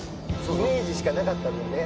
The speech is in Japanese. イメージしかなかった分ね